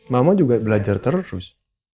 mama juga belajar terus